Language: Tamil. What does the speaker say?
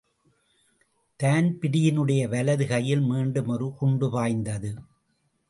தான்பிரீனுடைய வலது கையில் மீண்டும் ஒரு குண்டு பாய்ந்தது.